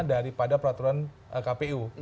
daripada peraturan kpu